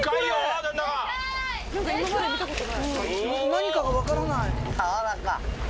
何かが分からない。